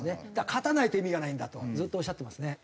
「勝たないと意味がないんだ」とずっとおっしゃってますね。